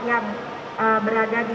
tapi juga masyarakat umum bisa dilayani